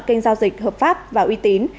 kênh giao dịch hợp pháp và uy tín